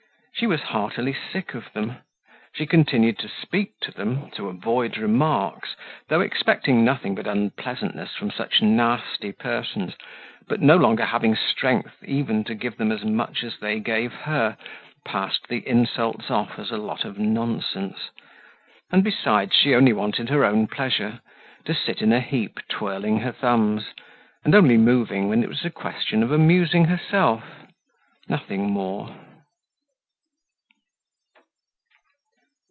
She was heartily sick of them; she continued to speak to them, to avoid remarks, though expecting nothing but unpleasantness from such nasty persons, but no longer having strength even to give them as much as they gave her, passed the insults off as a lot of nonsense. And besides she only wanted her own pleasure, to sit in a heap twirling her thumbs, and only moving when it was a question of amusing herself, nothing more.